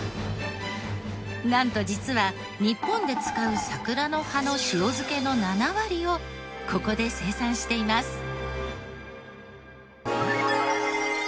なんと実は日本で使う桜の葉の塩漬けの７割をここで生産しています。